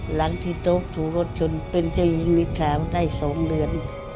หลังที่โต๊ะถูกรถชนเป็นเจ้าหญิงนิทราวได้๒เดือน